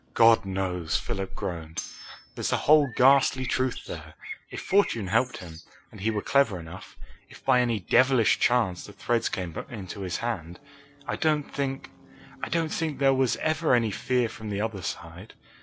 "God knows!" Philip groaned. "There's the whole ghastly truth there, if fortune helped him, and he were clever enough, if by any devilish chance the threads came into his hand. I don't think I don't think there was ever any fear from the other side.